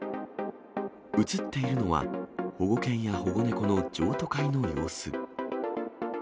写っているのは、保護犬や保護猫の譲渡会の様子。